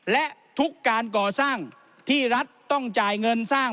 และทุกการก่อสร้างที่รัฐต้องจ่ายเงินสร้าง